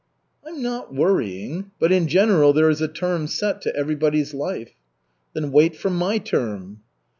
"I'm not worrying. But in general there is a term set to everybody's life." "Then wait for my term."